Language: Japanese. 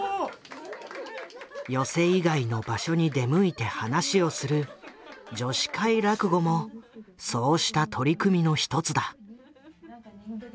寄席以外の場所に出向いて噺をする女子会落語もそうした取り組みの一つだ。